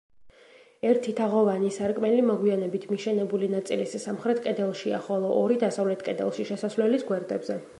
ერთი თაღოვანი სარკმელი მოგვიანებით მიშენებული ნაწილის სამხრეთ კედელშია, ხოლო ორი დასავლეთ კედელში, შესასვლელის გვერდებზე.